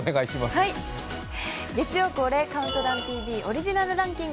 月曜恒例「ＣＤＴＶ」オリジナルランキング。